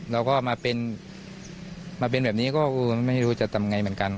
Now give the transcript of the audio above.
แล้วก็มาเป็นแบบนี้ก็ไม่รู้จะทำไงเหมือนกัน